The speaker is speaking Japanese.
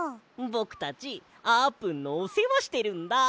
ぼくたちあーぷんのおせわしてるんだ。